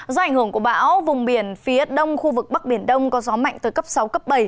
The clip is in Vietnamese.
do ảnh hưởng của bão vùng biển phía đông khu vực bắc biển đông có gió mạnh tới cấp sáu cấp bảy